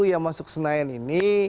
yang masuk senayan ini